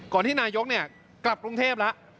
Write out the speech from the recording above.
ที่นายกกลับกรุงเทพแล้ว